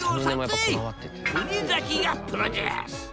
国崎がプロデュース！